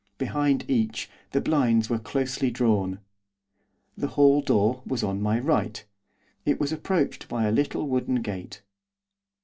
Behind each the blinds were closely drawn. The hall door was on my right. It was approached by a little wooden gate.